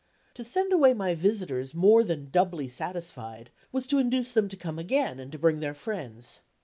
To send away my visitors more than doubly satisfied, was to induce them to come again and to bring their friends.